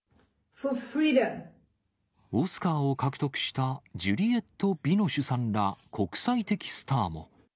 オスカーを獲得したジュリエット・ビノシュさんら国際的スターも。